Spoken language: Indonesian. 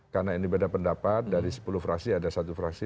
karena ini beda pendapat dari sepuluh fraksi ada satu fraksi